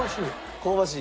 香ばしい。